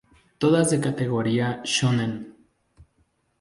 Todas de categoría shōnen.